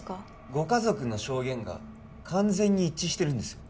ご家族の証言が完全に一致してるんですよ